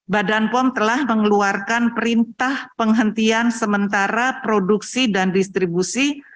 badan pom telah mengeluarkan perintah penghentian sementara produksi dan distribusi